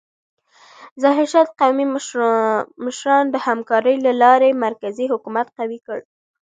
ظاهرشاه د قومي مشرانو د همکارۍ له لارې مرکزي حکومت قوي کړ.